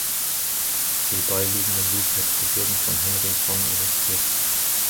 Die beiliegenden Liedtexte wurden von Henry Fong illustriert.